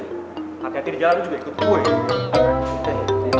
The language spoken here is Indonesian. hati hati dia jalan juga ikut gue